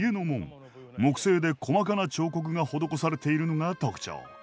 木製で細かな彫刻が施されているのが特徴。